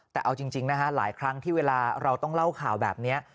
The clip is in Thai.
แต่เอาจริงนะฮะหลายครั้งที่เวลาเราต้องเล่าข่าวแบบนี้